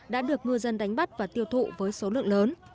đã được ngư dân đánh bắt và tiêu thụ với số lượng lớn